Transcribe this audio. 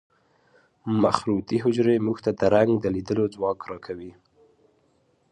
مخروطي حجرې موږ ته د رنګ د لیدلو ځواک را کوي.